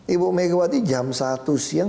ibu megawati jam satu siang